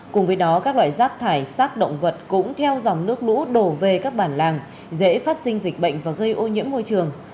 cùng với đó các loại rác thải sát động vật cũng theo dòng nước lũ đổ về các bản làng dễ phát sinh dịch bệnh và gây ô nhiễm môi trường